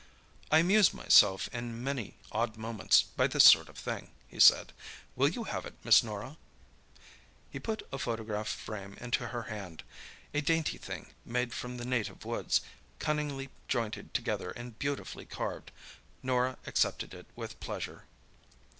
"I amuse myself in my many odd moments by this sort of thing," he said. "Will you have it, Miss Norah?" He put a photograph frame into her hand—a dainty thing, made from the native woods, cunningly jointed together and beautifully carved. Norah accepted it with pleasure.